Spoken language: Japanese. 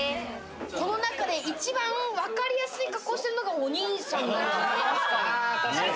この中で一番わかりやすい格好してるのがお兄さん。